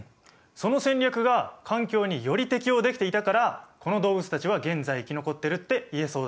その戦略が環境により適応できていたからこの動物たちは現在生き残ってるって言えそうだ。